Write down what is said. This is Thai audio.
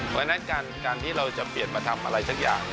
เพราะฉะนั้นการที่เราจะเปลี่ยนมาทำอะไรสักอย่าง